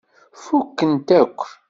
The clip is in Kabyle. Fukken-t akk.